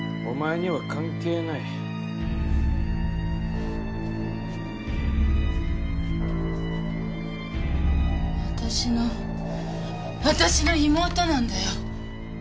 お前には関係ない私の私の妹なんだよ